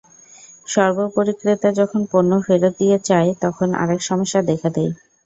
সর্বোপরিক্রেতা যখন পণ্য ফেরত দিতে চায়, তখন আরেক সমস্যা দেখা দেয়।